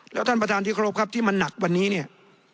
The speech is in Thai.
แล้วท่านประธานที่เคารพครับที่มันหนักวันนี้เนี่ย